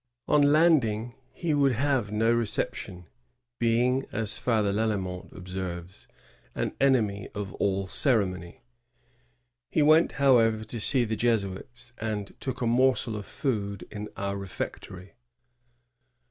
On landing, he would have no reception, being, as Father Lalemant observes, "an enemy of all ceremony." He went, however, to see the Jesuits, and "took a morsel of food in our refectory."